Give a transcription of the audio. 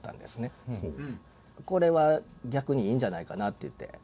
これは逆にいいんじゃないかなって言って。